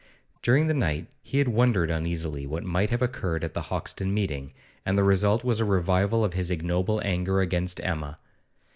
During the night he had wondered uneasily what might have occurred at the Hoxton meeting, and the result was a revival of his ignoble anger against Emma.